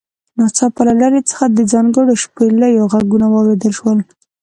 ناڅاپه له لرې څخه د ځانګړو شپېلیو غږونه واوریدل شول